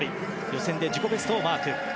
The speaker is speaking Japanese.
予選で自己ベストをマーク。